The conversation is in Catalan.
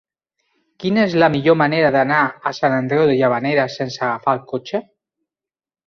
Quina és la millor manera d'anar a Sant Andreu de Llavaneres sense agafar el cotxe?